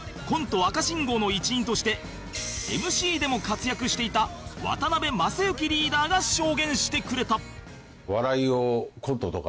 赤信号の一員として ＭＣ でも活躍していた渡辺正行リーダーが証言してくれた